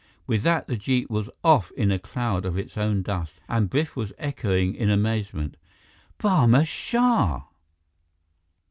With that, the jeep was off in a cloud of its own dust and Biff was echoing in amazement: "Barma Shah!"